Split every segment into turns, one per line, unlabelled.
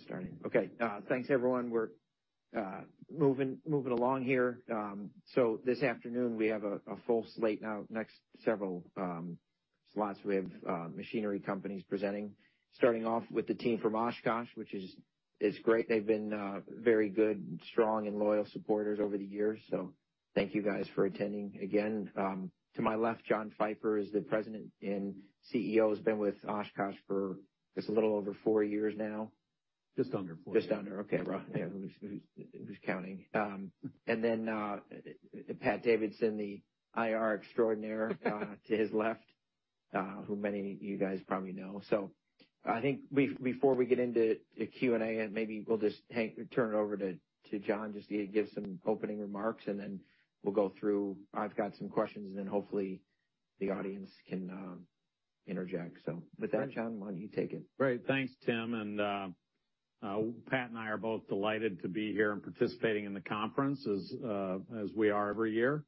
Good to get us starting. Okay. Thanks, everyone. We're moving along here. This afternoon we have a full slate. Now, next several slots, we have machinery companies presenting. Starting off with the team from Oshkosh, which is great. They've been very good, strong, and loyal supporters over the years, so thank you guys for attending again. To my left, John Pfeifer is the President and CEO. He's been with Oshkosh for just a little over four years now.
Just under four.
Just under, okay. Well, yeah, who's counting? Then Patrick Davidson, the IR extraordinaire to his left, who many of you guys probably know. I think before we get into the Q&A, and maybe we'll just turn it over to John to give some opening remarks, and then we'll go through. I've got some questions, and then hopefully the audience can interject. With that, John, why don't you take it?
Great. Thanks, Tim. Pat and I are both delighted to be here and participating in the conference as we are every year.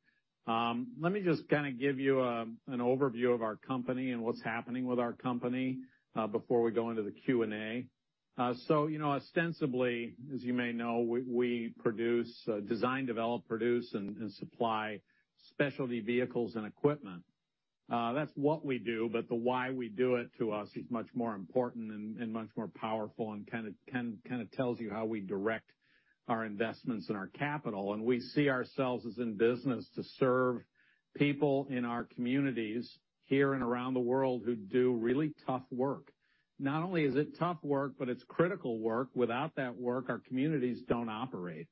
Let me just give you an overview of our company and what's happening with our company before we go into the Q&A. You know, ostensibly, as you may know, we produce, design, develop, produce, and supply specialty vehicles and equipment. That's what we do, but the why we do it, to us, is much more important and much more powerful and tells you how we direct our investments and our capital. We see ourselves as in business to serve people in our communities here and around the world who do really tough work. Not only is it tough work, but it's critical work. Without that work, our communities don't operate.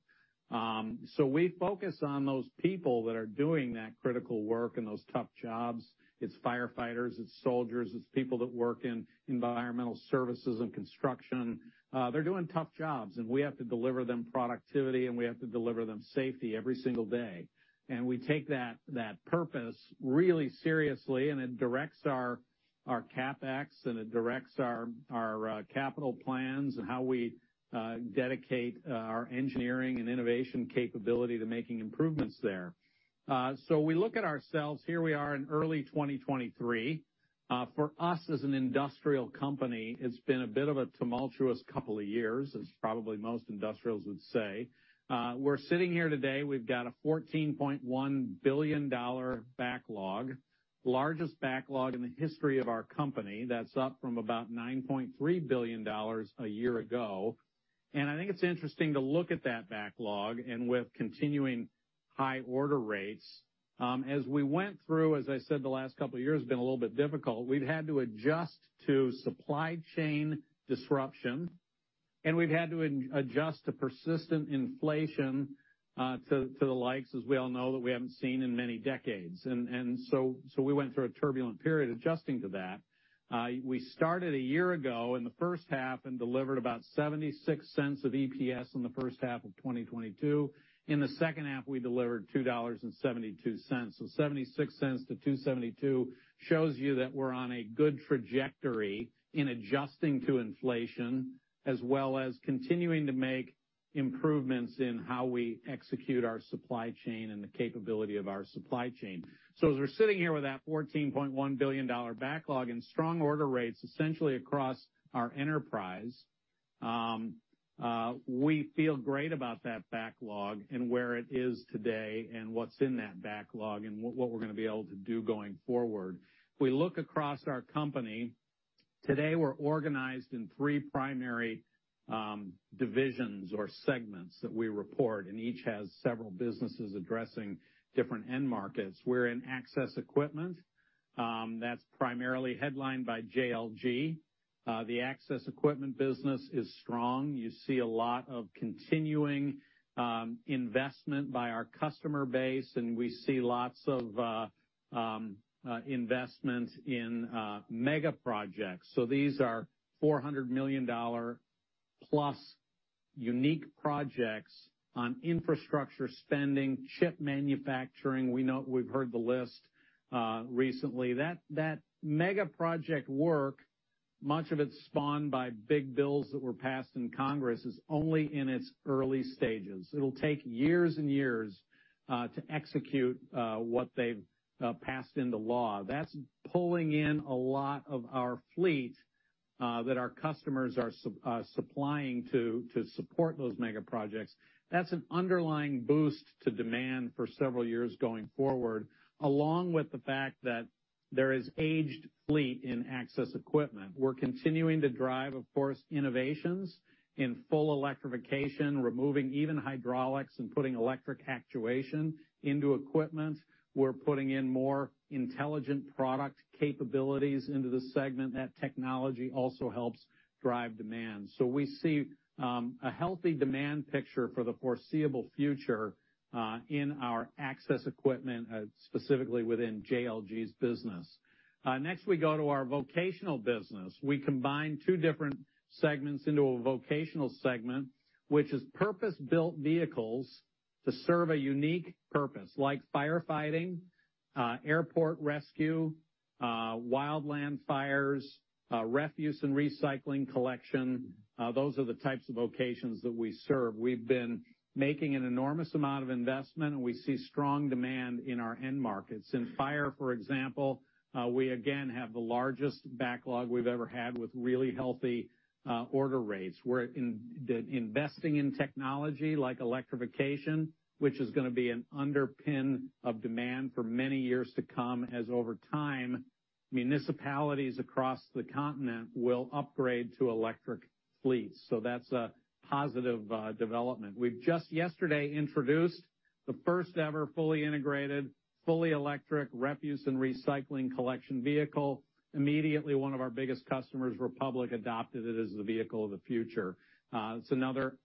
We focus on those people that are doing that critical work and those tough jobs. It's firefighters, it's soldiers, it's people that work in environmental services and construction. They're doing tough jobs, and we have to deliver them productivity, and we have to deliver them safety every single day. And we take that purpose really seriously, and it directs our CapEx, and it directs our capital plans and how we dedicate our engineering and innovation capability to making improvements there. We look at ourselves. Here we are in early 2023. For us as an industrial company, it's been a bit of a tumultuous couple of years, as probably most industrials would say. We're sitting here today. We've got a $14.1 billion backlog, largest backlog in the history of our company. That's up from about $9.3 billion a year ago. I think it's interesting to look at that backlog and with continuing high order rates. As we went through, as I said, the last couple of years have been a little bit difficult. We've had to adjust to supply chain disruption, and we've had to adjust to persistent inflation, to the likes, as we all know, that we haven't seen in many decades. We went through a turbulent period adjusting to that. We started a year ago in the first half and delivered about $0.76 of EPS in the first half of 2022. In the second half, we delivered $2.72. $0.76 to $2.72 shows you that we're on a good trajectory in adjusting to inflation, as well as continuing to make improvements in how we execute our supply chain and the capability of our supply chain. As we're sitting here with that $14.1 billion backlog and strong order rates essentially across our enterprise, we feel great about that backlog and where it is today and what's in that backlog and what we're gonna be able to do going forward. If we look across our company, today we're organized in three primary divisions or segments that we report, and each has several businesses addressing different end markets. We're in access equipment, that's primarily headlined by JLG. The access equipment business is strong. You see a lot of continuing investment by our customer base, and we see lots of investments in mega projects. These are $400 million+ unique projects on infrastructure spending, chip manufacturing. We've heard the list recently. That mega project work, much of it's spawned by big bills that were passed in Congress, is only in its early stages. It'll take years and years to execute what they've passed into law. That's pulling in a lot of our fleet that our customers are supplying to support those mega projects. That's an underlying boost to demand for several years going forward, along with the fact that there is aged fleet in access equipment. We're continuing to drive, of course, innovations in full electrification, removing even hydraulics and putting electric actuation into equipment. We're putting in more intelligent product capabilities into the segment. That technology also helps drive demand. We see a healthy demand picture for the foreseeable future in our access equipment, specifically within JLG's business. Next, we go to our vocational business. We combine two different segments into a vocational segment, which is purpose-built vehicles to serve a unique purpose, like firefighting, airport rescue, wildland fires, refuse and recycling collection. Those are the types of locations that we serve. We've been making an enormous amount of investment. We see strong demand in our end markets. In fire, for example, we again have the largest backlog we've ever had with really healthy order rates. We're investing in technology like electrification, which is gonna be an underpin of demand for many years to come, as over time, municipalities across the continent will upgrade to electric fleets. That's a positive development. We've just yesterday introduced the first-ever fully integrated, fully electric refuse and recycling collection vehicle. Immediately, one of our biggest customers, Republic, adopted it as the vehicle of the future. It's another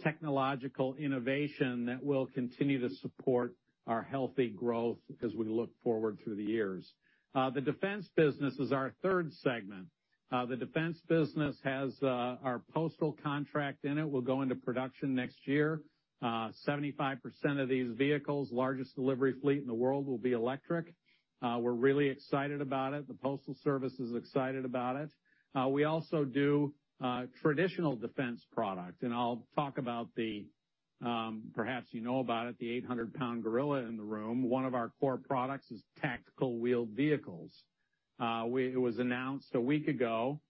technological innovation that will continue to support our healthy growth as we look forward through the years. The defense business is our third segment. The defense business has our postal contract in it will go into production next year. 75% of these vehicles, largest delivery fleet in the world, will be electric. We're really excited about it. The Postal Service is excited about it. We also do traditional defense product, and I'll talk about the perhaps you know about it, the 800-pound gorilla in the room. One of our core products is tactical wheeled vehicles. It was announced a week ago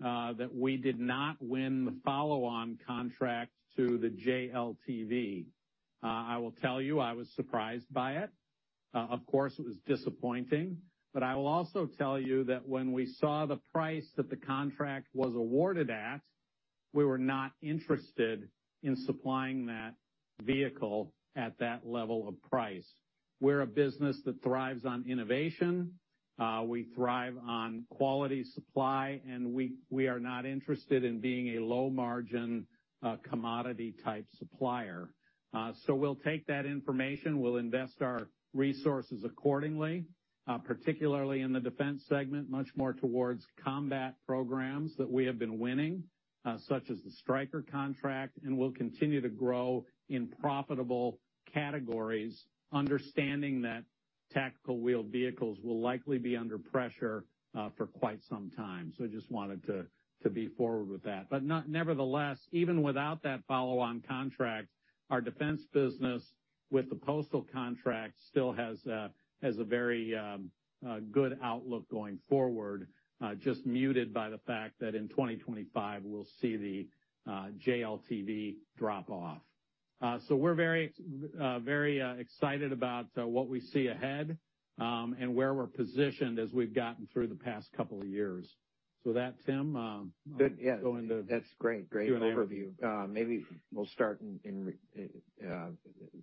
that we did not win the follow-on contract to the JLTV. I will tell you, I was surprised by it. Of course, it was disappointing, but I will also tell you that when we saw the price that the contract was awarded at, we were not interested in supplying that vehicle at that level of price. We're a business that thrives on innovation. We thrive on quality supply, and we are not interested in being a low-margin commodity-type supplier. We'll take that information. We'll invest our resources accordingly, particularly in the Defense segment, much more towards combat programs that we have been winning, such as the Stryker contract, and we'll continue to grow in profitable categories, understanding that tactical wheeled vehicles will likely be under pressure, for quite some time. I just wanted to be forward with that. Nevertheless, even without that follow-on contract, our Defense business with the postal contract still has a very good outlook going forward, just muted by the fact that in 2025, we'll see the JLTV drop-off. We're very excited about what we see ahead, and where we're positioned as we've gotten through the past couple of years. With that, Tim.
That's great. Great overview.
Do you?
Maybe we'll start in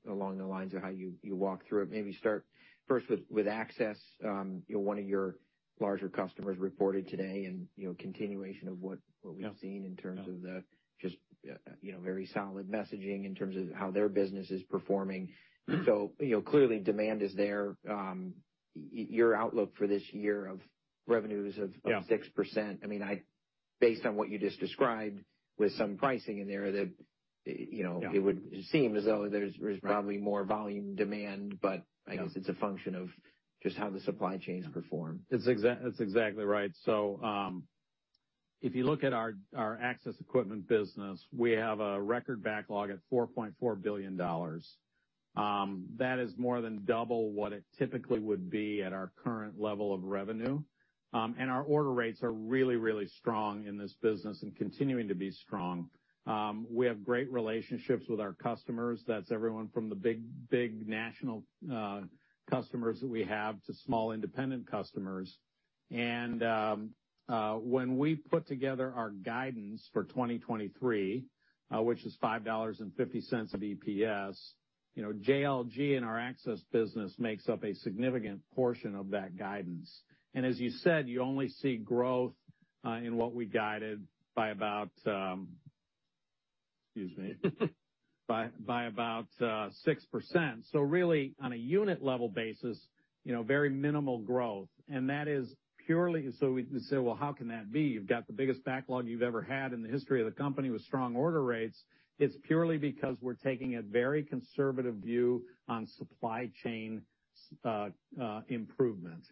along the lines of how you walked through it. Maybe start first with Access. You know, one of your larger customers reported today and, you know, continuation of what we've seen in terms of the just, you know, very solid messaging in terms of how their business is performing.
Mm-hmm.
You know, clearly demand is there. Your outlook for this year of revenues of 6%.
Yeah.
I mean, based on what you just described, with some pricing in there, that, you know.
Yeah.
It would seem as though there's probably more volume demand, but I guess it's a function of just how the supply chains perform.
It's exactly right. If you look at our access equipment business, we have a record backlog at $4.4 billion. That is more than double what it typically would be at our current level of revenue. Our order rates are really, really strong in this business and continuing to be strong. We have great relationships with our customers. That's everyone from the big, big national customers that we have to small independent customers. When we put together our guidance for 2023, which is $5.50 of EPS, you know, JLG and our access business makes up a significant portion of that guidance. As you said, you only see growth in what we guided by about, excuse me, by about 6%. Really, on a unit level basis, you know, very minimal growth. That is purely so we can say, "Well, how can that be? You've got the biggest backlog you've ever had in the history of the company with strong order rates." It's purely because we're taking a very conservative view on supply chain improvement.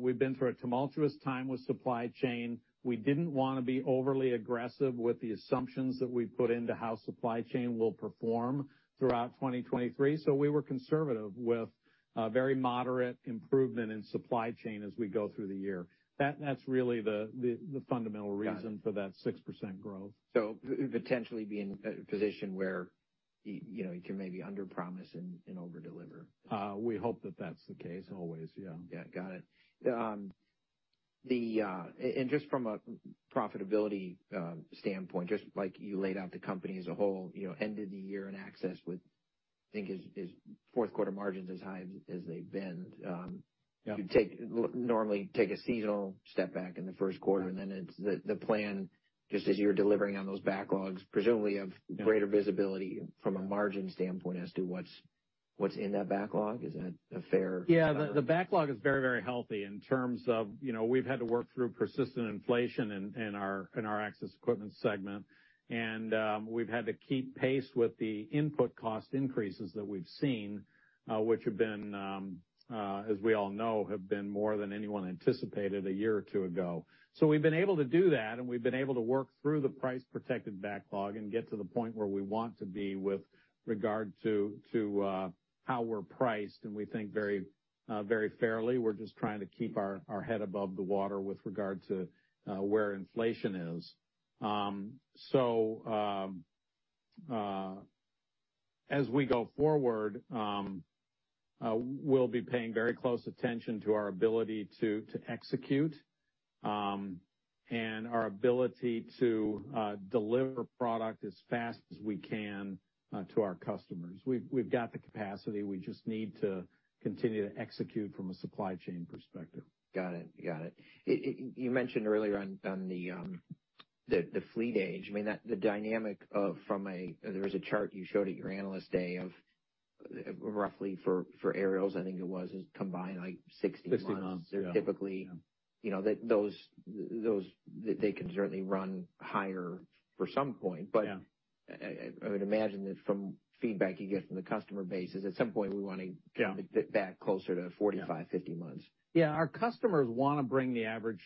We've been through a tumultuous time with supply chain. We didn't wanna be overly aggressive with the assumptions that we put into how supply chain will perform throughout 2023. We were conservative with a very moderate improvement in supply chain as we go through the year. That's really the fundamental reason for that 6% growth.
potentially be in a position where you know, you can maybe underpromise and overdeliver.
We hope that that's the case always, yeah.
Yeah. Got it. Just from a profitability standpoint, just like you laid out the company as a whole, you know, end of the year in access with think is fourth quarter margins as high as they've been.
Yeah.
You normally take a seasonal step back in the first quarter, and then it's the plan, just as you're delivering on those backlogs, presumably of greater visibility from a margin standpoint as to what's in that backlog? Is that a fair-
The backlog is very, very healthy in terms of, you know, we've had to work through persistent inflation in our access equipment segment. We've had to keep pace with the input cost increases that we've seen, which have been, as we all know, have been more than anyone anticipated a year or two ago. We've been able to do that, and we've been able to work through the price-protected backlog and get to the point where we want to be with regard to how we're priced. We think very fairly. We're just trying to keep our head above the water with regard to where inflation is. As we go forward, we'll be paying very close attention to our ability to execute, and our ability to deliver product as fast as we can to our customers. We've got the capacity. We just need to continue to execute from a supply chain perspective.
Got it. Got it. You mentioned earlier on the fleet age. I mean, the dynamic of from a... There was a chart you showed at your Analyst Day of roughly for aerials, I think it was, is combined like 60 months.
60 months, yeah.
They're typically-
Yeah.
You know, that those. They can certainly run higher for some point.
Yeah.
I would imagine that from feedback you get from the customer base is at some point we.
Yeah.
Get back closer to 45, 50 months.
Yeah. Our customers wanna bring the average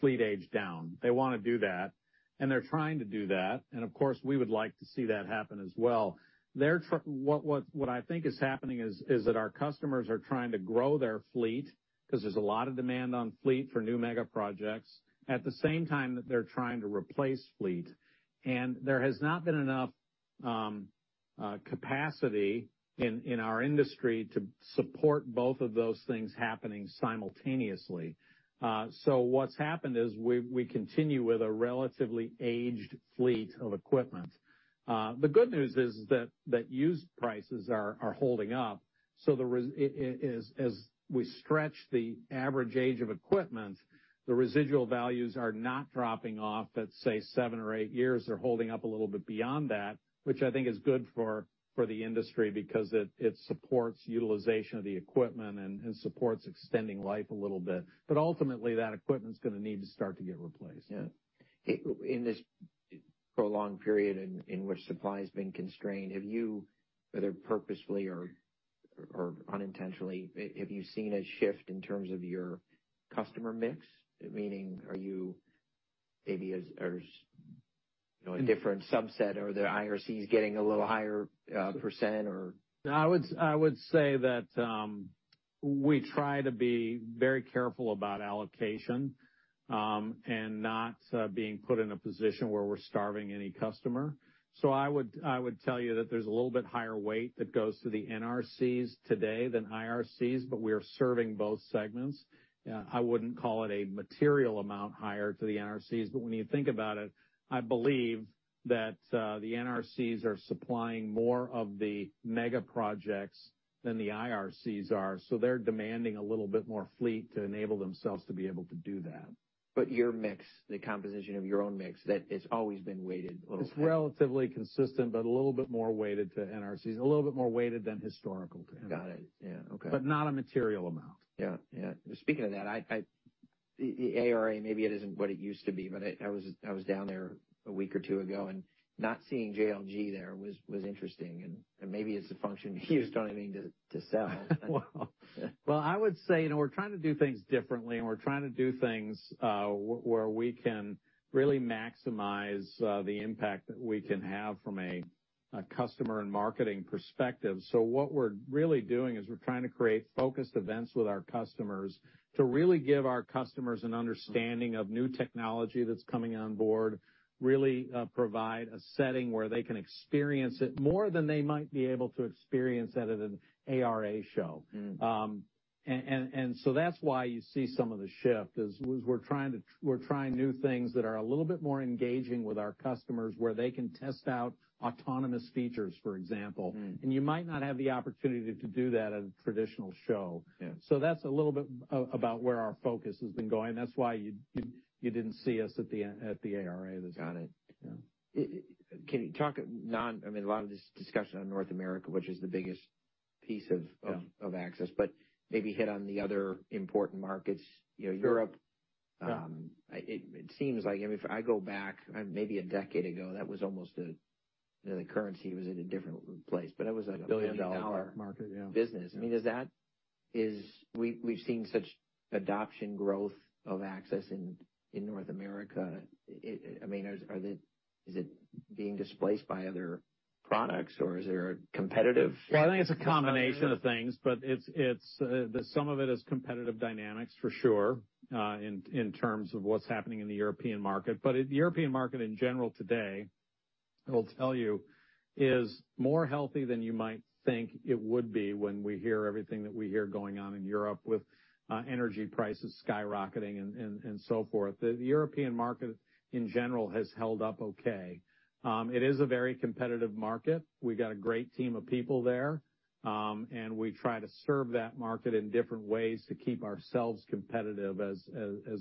fleet age down. They wanna do that, and they're trying to do that. Of course, we would like to see that happen as well. What I think is happening is that our customers are trying to grow their fleet 'cause there's a lot of demand on fleet for new mega projects, at the same time that they're trying to replace fleet. There has not been enough capacity in our industry to support both of those things happening simultaneously. What's happened is we continue with a relatively aged fleet of equipment. The good news is that used prices are holding up, so as we stretch the average age of equipment, the residual values are not dropping off at, say, seven or eight years. They're holding up a little bit beyond that, which I think is good for the industry because it supports utilization of the equipment and supports extending life a little bit. Ultimately, that equipment's gonna need to start to get replaced.
Yeah. In this prolonged period in which supply has been constrained, have you, whether purposefully or unintentionally, have you seen a shift in terms of your customer mix? Meaning are you maybe as, you know, a different subset or the IRC is getting a little higher percent or?
I would say that we try to be very careful about allocation and not being put in a position where we're starving any customer. I would tell you that there's a little bit higher weight that goes to the NRCs today than IRCs, but we are serving both segments. I wouldn't call it a material amount higher to the NRCs, but when you think about it, I believe that the NRCs are supplying more of the mega projects than the IRCs are, so they're demanding a little bit more fleet to enable themselves to be able to do that.
Your mix, the composition of your own mix, that it's always been weighted a little bit.
It's relatively consistent, but a little bit more weighted to NRCs, a little bit more weighted than historical terms.
Got it. Yeah. Okay.
Not a material amount.
Yeah. Yeah. Speaking of that, the ARA maybe it isn't what it used to be, but I was down there a week or two ago, not seeing JLG there was interesting. Maybe it's a function you just don't need to sell.
Well, I would say, you know, we're trying to do things differently, and we're trying to do things where we can really maximize the impact that we can have from a customer and marketing perspective. What we're really doing is we're trying to create focused events with our customers to really give our customers an understanding of new technology that's coming on board, really provide a setting where they can experience it more than they might be able to experience it at an ARA Show.
Mm.
That's why you see some of the shift is we're trying new things that are a little bit more engaging with our customers, where they can test out autonomous features, for example.
Mm.
You might not have the opportunity to do that at a traditional show.
Yeah.
That's a little bit about where our focus has been going. That's why you didn't see us at the ARA this year.
Got it.
Yeah.
Can you talk I mean, a lot of this discussion on North America, which is the biggest piece.
Yeah.
Of access, but maybe hit on the other important markets. You know, Europe.
Yeah.
It seems like, I mean, if I go back maybe a decade ago, the currency was at a different place.
Billion dollar market, yeah.
Business. I mean, we've seen such adoption growth of access in North America. I mean, is it being displaced by other products, or is there a competitive-
Well, I think it's a combination of things, but it's the sum of it is competitive dynamics for sure, in terms of what's happening in the European market. The European market in general today, I will tell you, is more healthy than you might think it would be when we hear everything that we hear going on in Europe with energy prices skyrocketing and so forth. The European market in general has held up okay. It is a very competitive market. We've got a great team of people there, and we try to serve that market in different ways to keep ourselves competitive as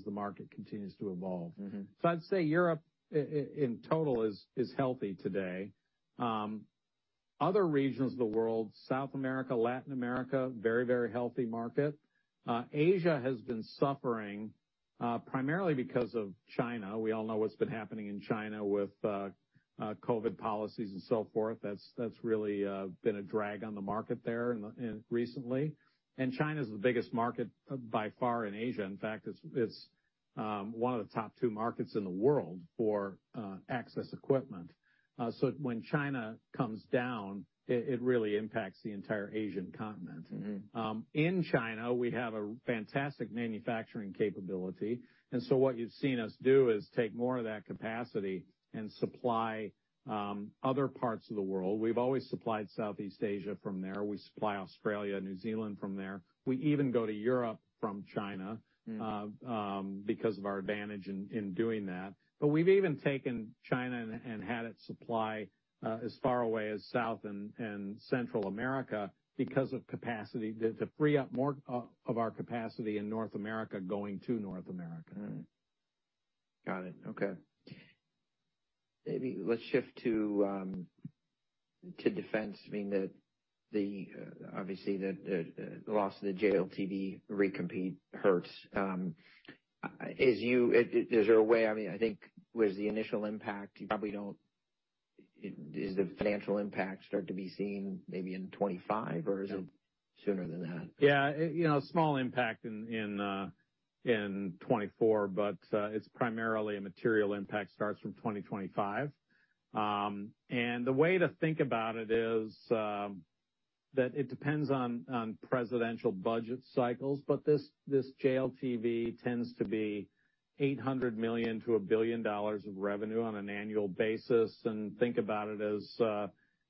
the market continues to evolve.
Mm-hmm.
I'd say Europe in total is healthy today. Other regions of the world, South America, Latin America, very healthy market. Asia has been suffering primarily because of China. We all know what's been happening in China with COVID policies and so forth. That's really been a drag on the market there recently. China's the biggest market by far in Asia. In fact, it's one of the top two markets in the world for access equipment. When China comes down, it really impacts the entire Asian continent.
Mm-hmm.
In China, we have a fantastic manufacturing capability. What you've seen us do is take more of that capacity and supply other parts of the world. We've always supplied Southeast Asia from there. We supply Australia and New Zealand from there. We even go to Europe from China.
Mm.
Because of our advantage in doing that. We've even taken China and had it supply as far away as South and Central America because of capacity to free up more of our capacity in North America going to North America.
All right. Got it. Okay. Maybe let's shift to defense, being that the, obviously, the, the loss of the JLTV recompete hurts. Is there a way I mean, I think with the initial impact... Is the financial impact start to be seen maybe in 2025?
Yeah.
sooner than that?
Yeah. You know, small impact in 2024. It's primarily a material impact starts from 2025. The way to think about it is that it depends on presidential budget cycles. This JLTV tends to be $800 million-$1 billion of revenue on an annual basis. Think about it as,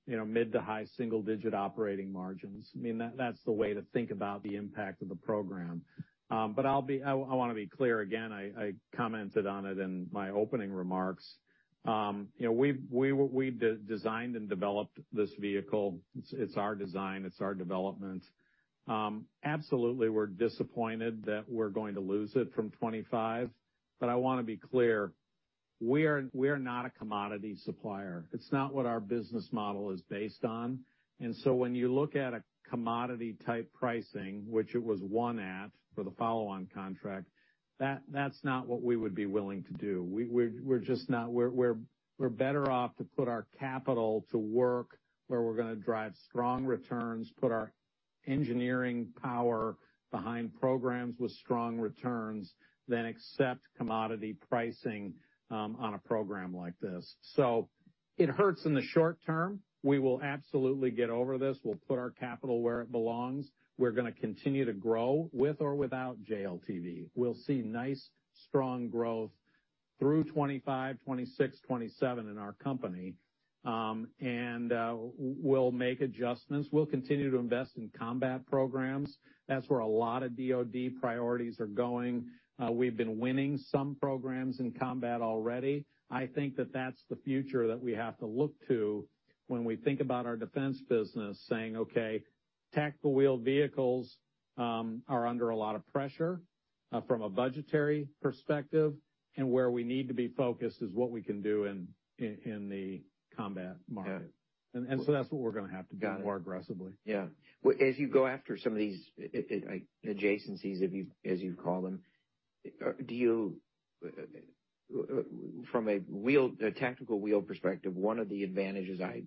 you know, mid to high single-digit operating margins. I mean, that's the way to think about the impact of the program. I wanna be clear again. I commented on it in my opening remarks. You know, we've designed and developed this vehicle. It's our design, it's our development. Absolutely, we're disappointed that we're going to lose it from 2025. I wanna be clear, we're not a commodity supplier. It's not what our business model is based on. When you look at a commodity type pricing, which it was won at for the follow-on contract, that's not what we would be willing to do. We're just not. We're better off to put our capital to work where we're gonna drive strong returns, put our engineering power behind programs with strong returns than accept commodity pricing on a program like this. It hurts in the short term. We will absolutely get over this. We'll put our capital where it belongs. We're gonna continue to grow with or without JLTV. We'll see nice, strong growth through 2025, 2026, 2027 in our company. We'll make adjustments. We'll continue to invest in combat programs. That's where a lot of DOD priorities are going. We've been winning some programs in combat already. I think that that's the future that we have to look to when we think about our defense business saying, "Okay, tactical wheeled vehicles are under a lot of pressure from a budgetary perspective, and where we need to be focused is what we can do in the combat market.
Yeah.
That's what we're gonna have to do...
Got it.
More aggressively.
Yeah. Well, as you go after some of these like adjacencies, if you, as you call them, do you from a tactical wheel perspective, one of the advantages I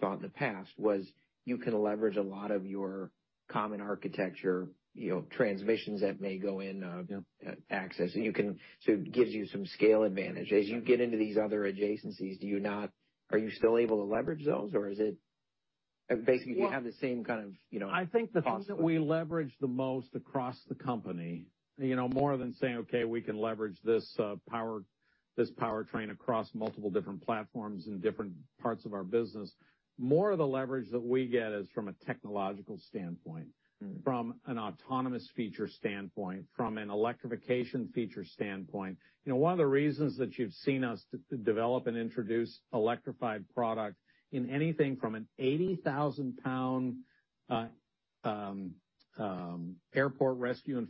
thought in the past was you can leverage a lot of your common architecture, you know, transmissions that may go in.
Yeah.
Axis. It gives you some scale advantage.
That's right.
As you get into these other adjacencies, are you still able to leverage those? Basically, do you have the same kind of, you know, cost?
I think the thing that we leverage the most across the company, you know, more than saying, "Okay, we can leverage this power, this powertrain across multiple different platforms in different parts of our business," more of the leverage that we get is from a technological standpoint.
Mm.
From an autonomous feature standpoint, from an electrification feature standpoint. You know, one of the reasons that you've seen us de-develop and introduce electrified products in anything from an 80,000 pound airport rescue and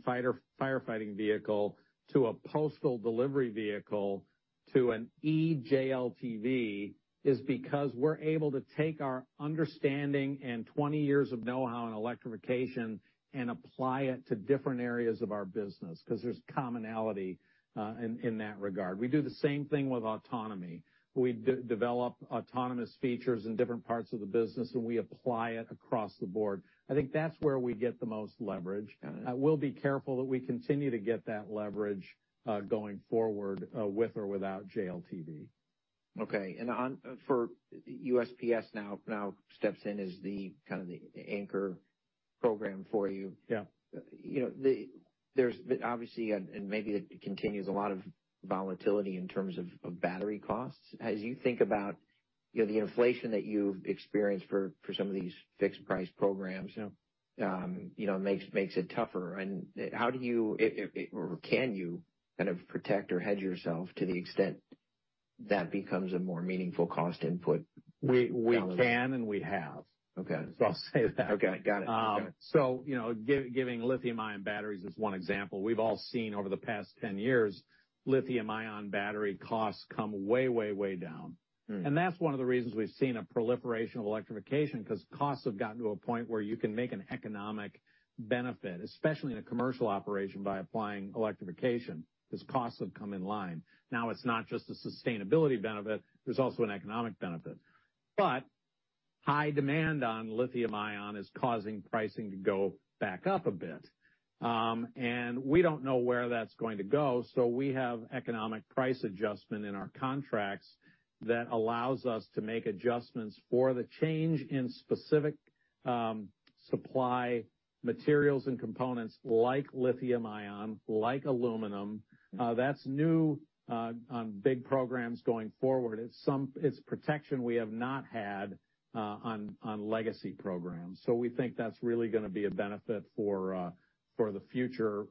firefighting vehicle to a postal delivery vehicle, to an eJLTV, is because we're able to take our understanding and 20 years of know-how in electrification and apply it to different areas of our business, 'cause there's commonality in that regard. We do the same thing with autonomy. We de-develop autonomous features in different parts of the business, and we apply it across the board. I think that's where we get the most leverage.
Got it.
We'll be careful that we continue to get that leverage, going forward, with or without JLTV.
Okay. For USPS now steps in as the kind of anchor program for you.
Yeah.
You know, there's, obviously, and maybe it continues a lot of volatility in terms of battery costs. As you think about, you know, the inflation that you've experienced for some of these fixed price programs.
Yeah.
you know, makes it tougher. How do you, or can you kind of protect or hedge yourself to the extent that becomes a more meaningful cost input?
We can and we have.
Okay.
I'll say that.
Okay. Got it.
You know, giving lithium-ion batteries is one example. We've all seen over the past 10 years, lithium-ion battery costs come way, way down.
Mm.
That's one of the reasons we've seen a proliferation of electrification, 'cause costs have gotten to a point where you can make an economic benefit, especially in a commercial operation, by applying electrification, because costs have come in line. Now it's not just a sustainability benefit, there's also an economic benefit. High demand on lithium-ion is causing pricing to go back up a bit. We don't know where that's going to go, so we have economic price adjustment in our contracts that allows us to make adjustments for the change in specific supply materials and components like lithium-ion, like aluminum. That's new on big programs going forward. It's protection we have not had on legacy programs. we think that's really gonna be a benefit for for the future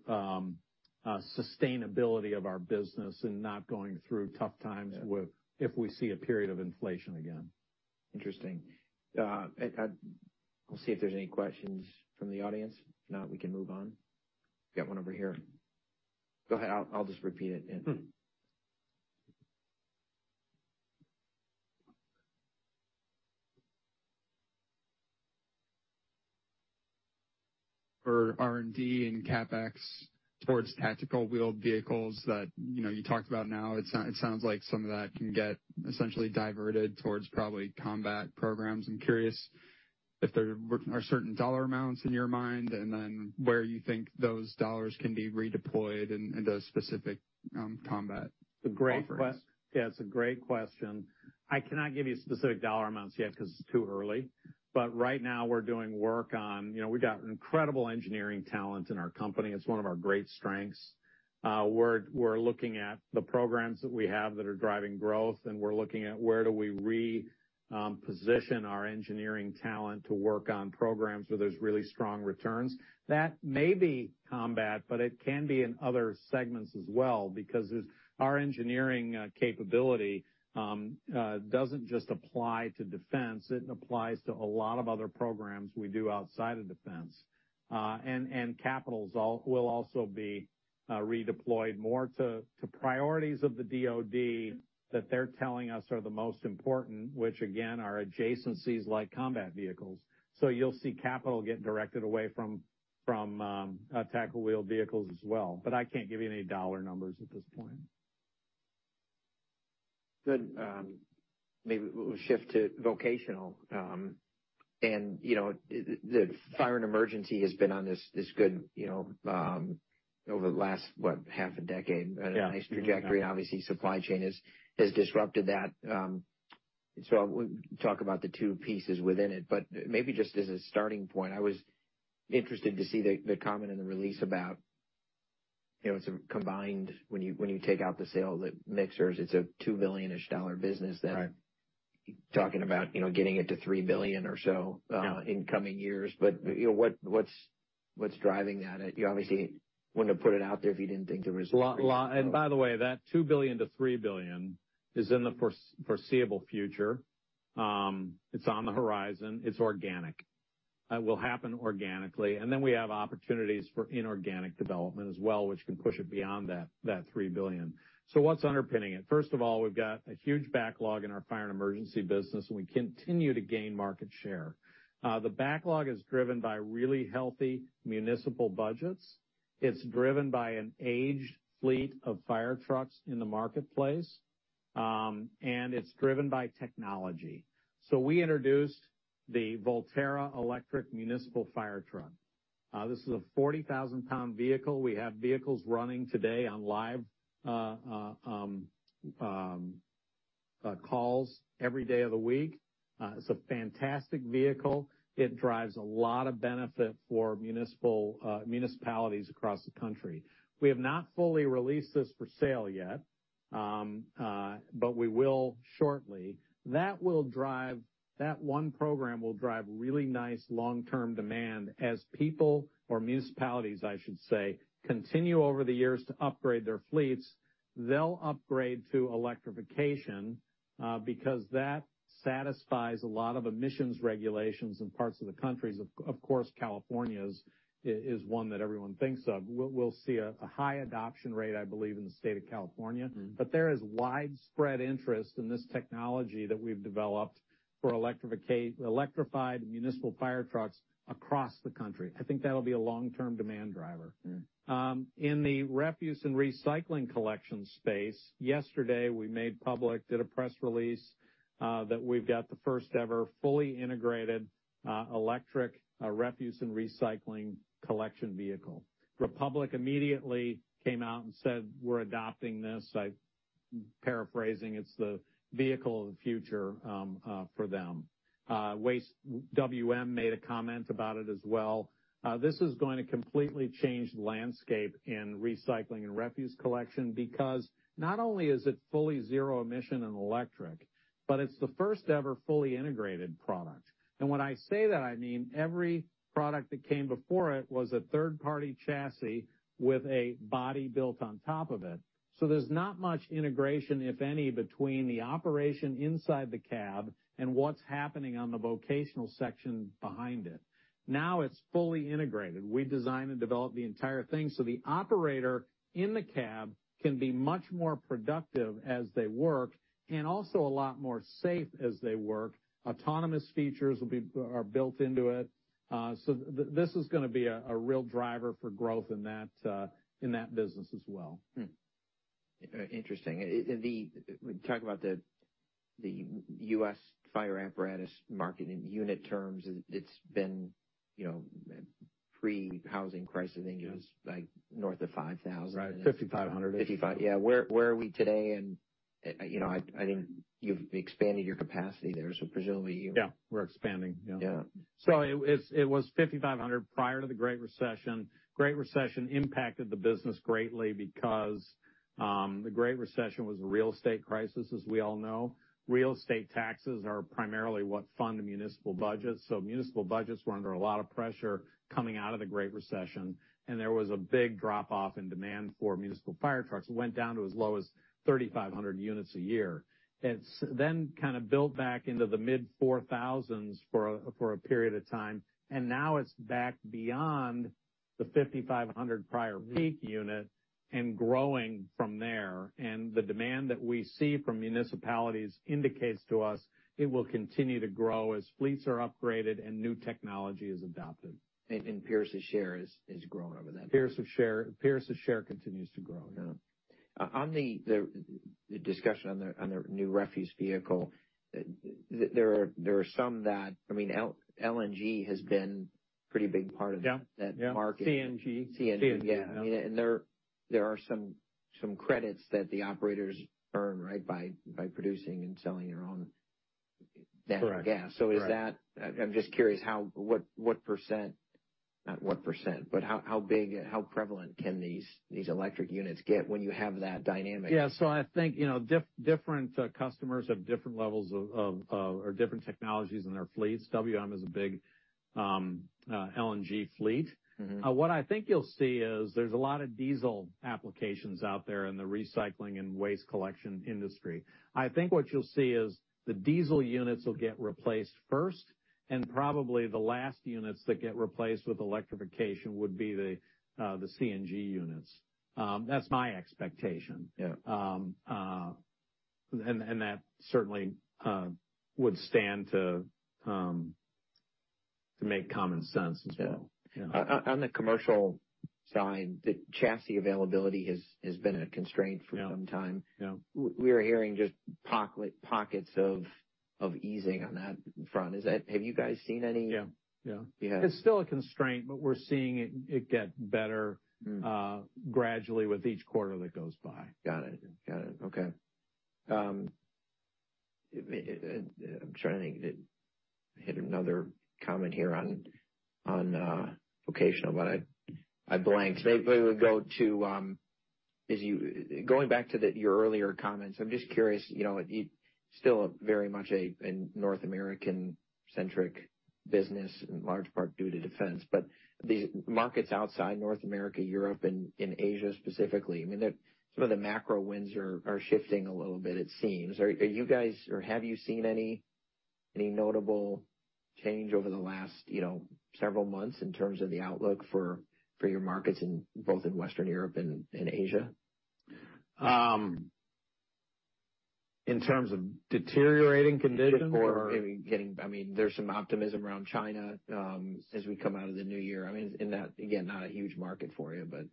sustainability of our business and not going through tough times.
Yeah.
with if we see a period of inflation again.
Interesting. We'll see if there's any questions from the audience. If not, we can move on. Got one over here. Go ahead. I'll just repeat it then.
Mm.
For R&D and CapEx towards tactical wheeled vehicles that, you know, you talked about now, it sounds like some of that can get essentially diverted towards probably combat programs. I'm curious if there are certain dollar amounts in your mind, and then where you think those dollars can be redeployed in, into specific combat offerings.
It's a great question. I cannot give you specific dollar amounts yet because it's too early. Right now, we're doing work on, you know, we've got incredible engineering talent in our company. It's one of our great strengths. We're looking at the programs that we have that are driving growth, we're looking at where do we position our engineering talent to work on programs where there's really strong returns. That may be combat, but it can be in other segments as well, because our engineering capability doesn't just apply to defense, it applies to a lot of other programs we do outside of defense. And capitals will also be redeployed more to priorities of the DoD that they're telling us are the most important, which again, are adjacencies like combat vehicles. You'll see capital get directed away from, tactical wheeled vehicles as well. I can't give you any dollar numbers at this point.
Good. Maybe we'll shift to vocational. You know, the fire and emergency has been on this good, you know, over the last, what? Half a decade.
Yeah.
A nice trajectory. Obviously, supply chain has disrupted that. We talk about the two pieces within it. Maybe just as a starting point, I was interested to see the comment in the release about, you know, it's a combined when you, when you take out the sale, the mixers, it's a $2 billion-ish business.
Right.
talking about, you know, getting it to $3 billion or so.
Yeah.
in coming years. you know, what's driving that? You obviously wouldn't have put it out there if you didn't think there was-
Lot. By the way, that $2 billion-$3 billion is in the foreseeable future. It's on the horizon. It's organic. It will happen organically. We have opportunities for inorganic development as well, which can push it beyond that $3 billion. What's underpinning it? First of all, we've got a huge backlog in our fire and emergency business, and we continue to gain market share. The backlog is driven by really healthy municipal budgets. It's driven by an aged fleet of fire trucks in the marketplace, and it's driven by technology. We introduced the Volterra electric municipal fire truck. This is a 40,000 pound vehicle. We have vehicles running today on live calls every day of the week. It's a fantastic vehicle. It drives a lot of benefit for municipal municipalities across the country. We have not fully released this for sale yet, but we will shortly. That one program will drive really nice long-term demand as people or municipalities, I should say, continue over the years to upgrade their fleets, they'll upgrade to electrification, because that satisfies a lot of emissions regulations in parts of the countries. Of course, California's is one that everyone thinks of. We'll see a high adoption rate, I believe, in the state of California.
Mm.
There is widespread interest in this technology that we've developed for electrified municipal fire trucks across the country. I think that'll be a long-term demand driver.
Mm.
In the refuse and recycling collection space, yesterday, we made public, did a press release, that we've got the first ever fully integrated electric refuse and recycling collection vehicle. Republic Services immediately came out and said, "We're adopting this." I'm paraphrasing. It's the vehicle of the future for them. Waste WM made a comment about it as well. This is going to completely change the landscape in recycling and refuse collection because not only is it fully zero emission and electric, but it's the first ever fully integrated product. When I say that, I mean every product that came before it was a third-party chassis with a body built on top of it. There's not much integration, if any, between the operation inside the cab and what's happening on the vocational section behind it. Now it's fully integrated. We design and develop the entire thing, so the operator in the cab can be much more productive as they work and also a lot more safe as they work. Autonomous features are built into it. This is gonna be a real driver for growth in that business as well.
Interesting. We talk about the U.S. fire apparatus market in unit terms. It's been, you know, pre-housing crisis, I think it was like north of 5,000.
Right. 5,500.
5,500 Yeah. Where are we today? You know, I think you've expanded your capacity there, so presumably.
Yeah, we're expanding. Yeah.
Yeah.
It was 5,500 prior to the Great Recession. Great Recession impacted the business greatly because the Great Recession was a real estate crisis, as we all know. Real estate taxes are primarily what fund the municipal budget. Municipal budgets were under a lot of pressure coming out of the Great Recession, and there was a big drop off in demand for municipal fire trucks. It went down to as low as 3,500 units a year. It's kind of built back into the mid 4,000s for a period of time, and now it's back beyond the 5,500 prior peak unit and growing from there. The demand that we see from municipalities indicates to us it will continue to grow as fleets are upgraded and new technology is adopted.
Pierce's share is growing over that.
Pierce's share continues to grow. Yeah.
On the discussion on the new refuse vehicle, there are some. I mean, LNG has been pretty big part of that market.
CNG.
CNG, yeah. I mean, there are some credits that the operators earn, right, by producing and selling their own natural gas.
Correct.
I'm just curious what %, not what %, but how big, how prevalent can these electric units get when you have that dynamic?
Yeah. I think, you know, different customers have different levels of, or different technologies in their fleets. WM is a big, LNG fleet.
Mm-hmm.
What I think you'll see is there's a lot of diesel applications out there in the recycling and waste collection industry. I think what you'll see is the diesel units will get replaced first, and probably the last units that get replaced with electrification would be the CNG units. That's my expectation.
Yeah.
That certainly would stand to make common sense as well.
Yeah. On the commercial side, the chassis availability has been a constraint for some time.
Yeah. Yeah.
We are hearing just pockets of easing on that front. Have you guys seen any?
Yeah. Yeah.
You have.
It's still a constraint, but we're seeing it get better, gradually with each quarter that goes by.
Got it. Got it. Okay. I'm trying to think. I had another comment here on vocational, but I blanked. Maybe we'll go to, going back to your earlier comments, I'm just curious, you know, you still very much a North American-centric business in large part due to defense. These markets outside North America, Europe and Asia specifically, I mean, some of the macro winds are shifting a little bit, it seems. Are you guys, or have you seen any notable change over the last, you know, several months in terms of the outlook for your markets in both in Western Europe and Asia?
In terms of deteriorating conditions or?
I mean, there's some optimism around China, as we come out of the new year. I mean, and that, again, not a huge market for you, but.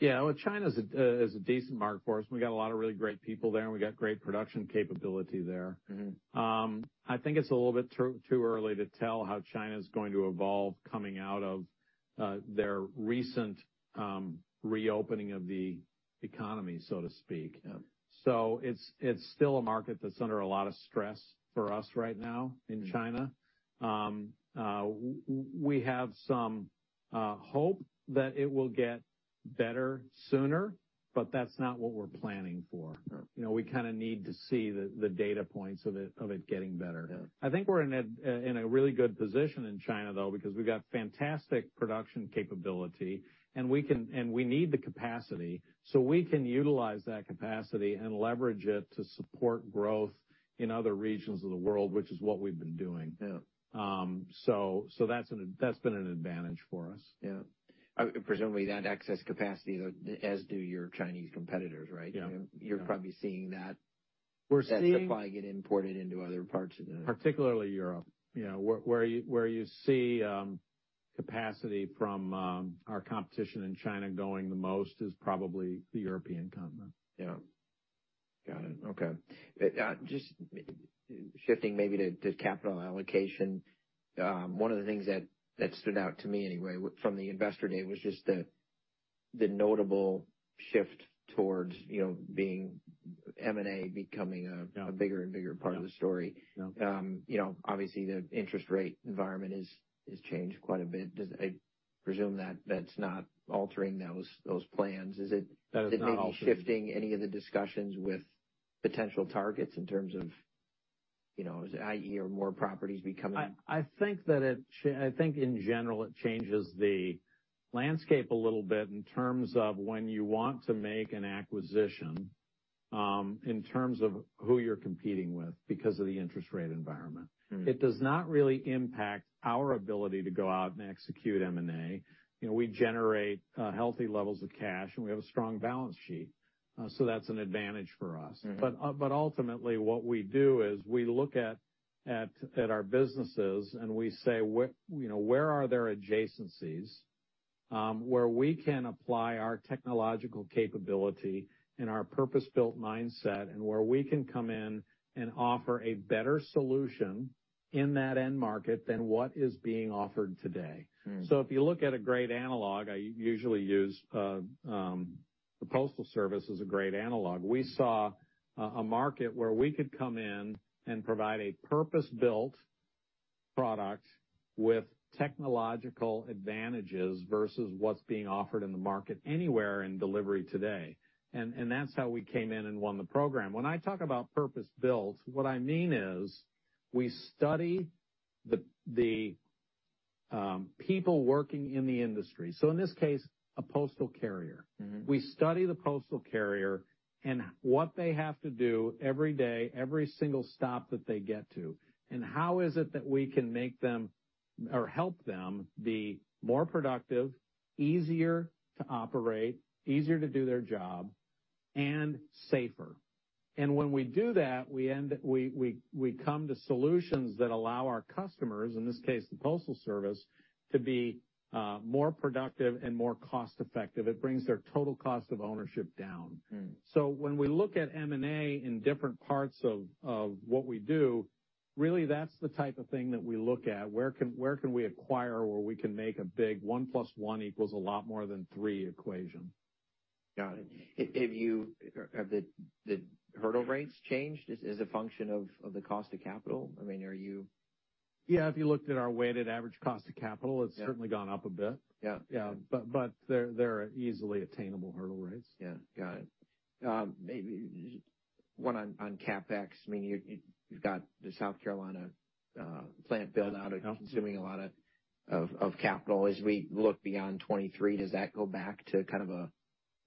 Yeah. Well, China's a is a decent market for us. We got a lot of really great people there, and we got great production capability there.
Mm-hmm.
I think it's a little bit too early to tell how China's going to evolve coming out of their recent reopening of the economy, so to speak.
Yeah.
It's still a market that's under a lot of stress for us right now in China. We have some hope that it will get better sooner, but that's not what we're planning for.
Sure.
You know, we kinda need to see the data points of it getting better.
Yeah.
I think we're in a really good position in China, though, because we've got fantastic production capability, and we need the capacity, so we can utilize that capacity and leverage it to support growth in other regions of the world, which is what we've been doing.
Yeah.
That's been an advantage for us.
Yeah. Presumably that excess capacity, as do your Chinese competitors, right?
Yeah.
You're probably seeing that-
We're seeing-
-that supply get imported into other parts of the-
Particularly Europe. You know, where you see capacity from our competition in China going the most is probably the European continent.
Yeah. Got it. Okay. just shifting maybe to capital allocation. one of the things that stood out to me anyway from the Investor Day was just the notable shift towards, you know, being M&A.
Yeah.
Bigger and bigger part of the story.
Yeah.
you know, obviously, the interest rate environment has changed quite a bit. I presume that that's not altering those plans.
That is not altering.
Is it maybe shifting any of the discussions with potential targets in terms of, you know, i.e. or more properties becoming?
I think that I think in general, it changes the landscape a little bit in terms of when you want to make an acquisition, in terms of who you're competing with because of the interest rate environment.
Mm-hmm.
It does not really impact our ability to go out and execute M&A. You know, we generate healthy levels of cash, and we have a strong balance sheet. That's an advantage for us.
Mm-hmm.
Ultimately, what we do is we look at our businesses and we say, where, you know, where are there adjacencies. Where we can apply our technological capability and our purpose-built mindset and where we can come in and offer a better solution in that end market than what is being offered today.
Mm.
If you look at a great analog, I usually use the Postal Service as a great analog. We saw a market where we could come in and provide a purpose-built product with technological advantages versus what's being offered in the market anywhere in delivery today. That's how we came in and won the program. When I talk about purpose-built, what I mean is we study the people working in the industry. In this case, a postal carrier.
Mm-hmm.
We study the postal carrier and what they have to do every day, every single stop that they get to, and how is it that we can make them or help them be more productive, easier to operate, easier to do their job, and safer. When we do that, we come to solutions that allow our customers, in this case, the Postal Service, to be more productive and more cost-effective. It brings their total cost of ownership down.
Mm.
When we look at M&A in different parts of what we do, really that's the type of thing that we look at. Where can we acquire, where we can make a big one plus one equals a lot more than three equation.
Got it. If you have the hurdle rates changed as a function of the cost of capital? I mean.
Yeah, if you looked at our weighted average cost of capital-
Yeah.
It's certainly gone up a bit.
Yeah.
Yeah. They're easily attainable hurdle rates.
Yeah. Got it. maybe one on CapEx. I mean, you've got the South Carolina plant build out-
Yeah.
consuming a lot of capital. As we look beyond 2023, does that go back to kind of a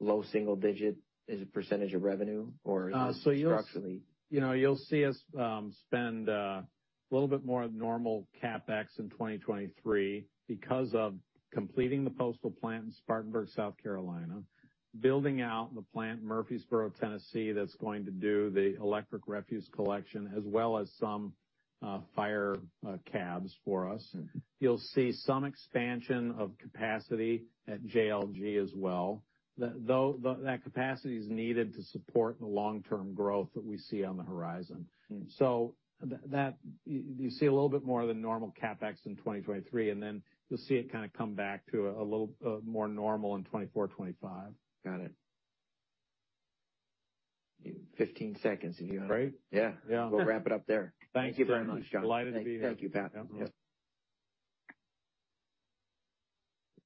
low single digit as a % of revenue or is this structurally?
You know, you'll see us spend a little bit more than normal CapEx in 2023 because of completing the postal plant in Spartanburg, South Carolina, building out the plant in Murfreesboro, Tennessee, that's going to do the electric refuse collection as well as some fire cabs for us.
Mm-hmm.
You'll see some expansion of capacity at JLG as well, that capacity is needed to support the long-term growth that we see on the horizon.
Mm.
you see a little bit more of the normal CapEx in 2023, and then you'll see it kind of come back to a little more normal in 2024, 2025.
Got it. 15 seconds if you.
Right.
Yeah.
Yeah. We'll wrap it up there.
Thank you very much, John.
Thank you.
Delighted to be here.
Thank you, Pat.
Yeah.